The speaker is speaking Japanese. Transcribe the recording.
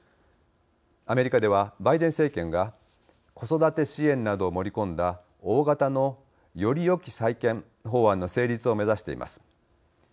アメリカでは、バイデン政権が子育て支援などを盛り込んだ大型のより良き再建法案の成立を目指しています。